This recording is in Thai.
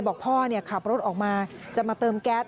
บอกพ่อขับรถออกมาจะมาเติมแก๊ส